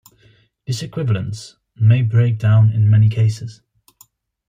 This equivalence may break down in many cases.